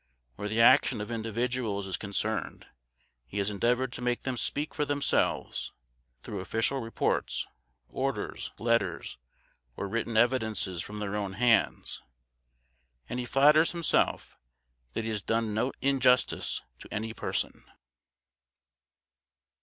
Where the action of individuals is concerned, he has endeavored to make them speak for themselves, through official reports, orders, letters, or written evidences from their own hands; and he flatters himself that he has done no injustice to any person.